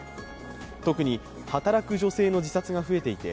特に働く女性の自殺が増えていて